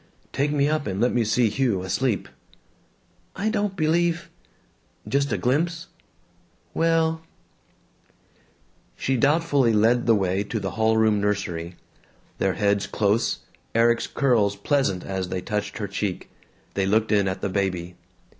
"Take me up and let me see Hugh asleep." "I don't believe " "Just a glimpse!" "Well " She doubtfully led the way to the hallroom nursery. Their heads close, Erik's curls pleasant as they touched her cheek, they looked in at the baby.